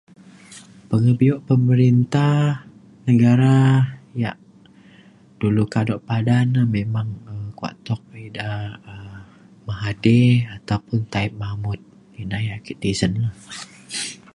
pengebio pemerintah negara yak dulu kado padan na memang kuak tuk ida um Mahathir ataupun Taib Mahmud ina yak ake tisen la